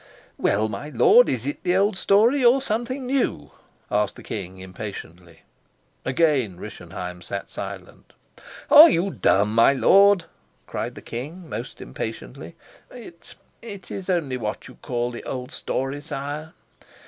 "Well, my lord, is it the old story or something new," asked the king impatiently. Again Rischenheim sat silent. "Are you dumb, my lord?" cried the king most impatiently. "It it is only what you call the old story, sire."